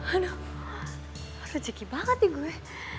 aduh rejeki banget nih gue